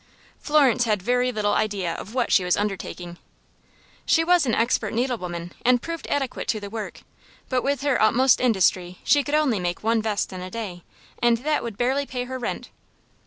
Florence had very little idea of what she was undertaking. She was an expert needlewoman, and proved adequate to the work, but with her utmust industry she could only make one vest in a day, and that would barely pay her rent.